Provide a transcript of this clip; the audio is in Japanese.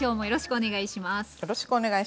よろしくお願いします。